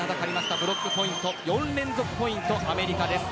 ブロックポイント４連続ポイント、アメリカです。